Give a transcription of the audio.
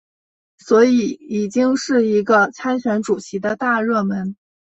所以已经是一个参选主席的大热门。